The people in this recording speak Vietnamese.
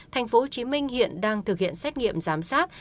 tp hcm hiện đang thực hiện xét nghiệm giám sát